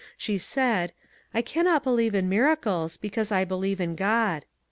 She said, ^^ I cannot believe in miracles, because I believe in Gt>d."